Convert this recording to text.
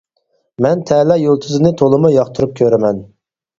مەن تەلەي يۇلتۇزىنى تولىمۇ ياقتۇرۇپ كۆرىمەن.